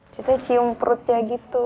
kita cium pelutnya gitu